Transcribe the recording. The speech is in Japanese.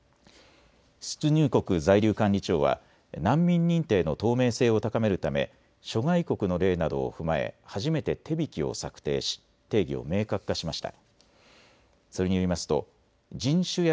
出入国在留管理庁は難民認定の透明性を高めるため諸外国の例などを踏まえ初めて手引を策定し定義を明確化しました。